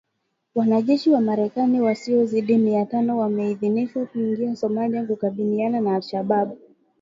Wanajeshi wa Marekani wasiozidi mia tano wameidhinishwa kuingia Somalia kukabiliana na Al Shabaab